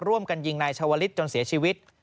ร่วมกันยิงนายชาวลิศจนเสียชีวิต